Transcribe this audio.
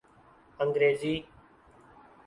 انگریزی